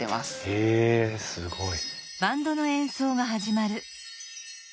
へえすごい。